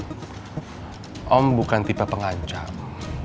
om bukan tipe pengancam